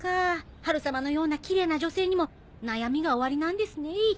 ハル様のようなきれいな女性にも悩みがおありなんですねぇ。